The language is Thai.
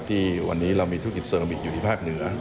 ที่วันนี้เรามีธุรกิจเซอร์รามิกอยู่ที่ภาคเหนือ